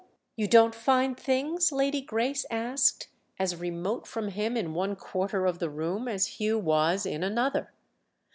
"You don't find things?" Lady Grace asked—as remote from him in one quarter of the room as Hugh was in another.